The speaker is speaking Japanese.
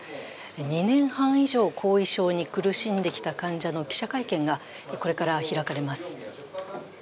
２年半以上、後遺症に苦しんできた患者の記者会見がこれから開かれます。